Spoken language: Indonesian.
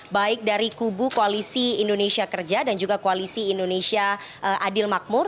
baik dari kubu koalisi indonesia kerja dan juga koalisi indonesia adil makmur